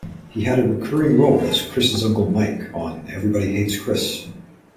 He had a recurring role as Chris' Uncle Mike, on "Everybody Hates Chris".